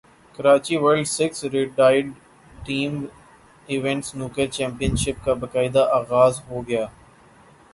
Karachi world six red and team event snooker championship کا باقاعدہ اغاز ہوگیا